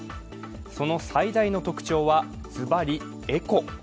その最大の特徴は、ずばりエコ。